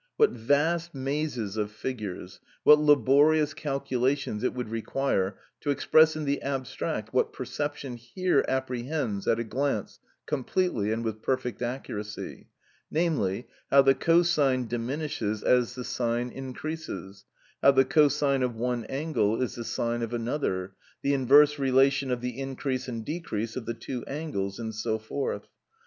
What vast mazes of figures, what laborious calculations it would require to express in the abstract what perception here apprehends at a glance completely and with perfect accuracy, namely, how the co sine diminishes as the sine increases, how the co sine of one angle is the sine of another, the inverse relation of the increase and decrease of the two angles, and so forth.